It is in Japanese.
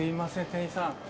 店員さん